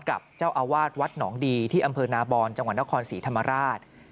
กับเจ้าอาวาสวัดหนองดีที่อำเภอนาบอนจังหวัดนครศรีธรรมราช